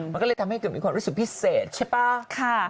มันก็เลยทำให้เกิดมีความรู้สึกพิเศษใช่ป่ะ